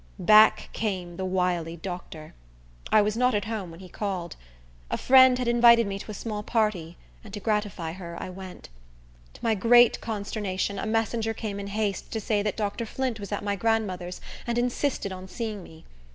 Back came the wily doctor. I was not at home when he called. A friend had invited me to a small party, and to gratify her I went. To my great consternation, a messenger came in haste to say that Dr. Flint was at my grandmother's, and insisted on seeing me.